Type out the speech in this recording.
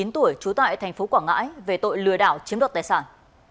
hai mươi chín tuổi trú tại thành phố quảng ngãi về tội lừa đảo chiếm đoạt tài sản